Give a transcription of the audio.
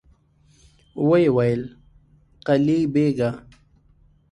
ويې ويل: قلي بېګه!